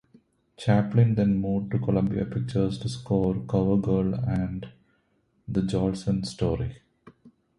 Chaplin then moved to Columbia Pictures to score "Cover Girl" and "The Jolson Story".